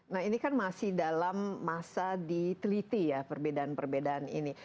nah ini kan masih dalam masa diteliti ya perbedaan perbedaan ini